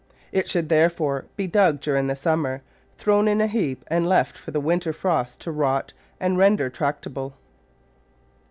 It should therefore be dug during the summer, thrown in a heap and left for the winter frost to rot and render tractable.